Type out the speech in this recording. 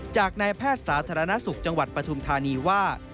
จากนายแพทย์สาธารณสุขจังหวัดปฐุมธานีว่า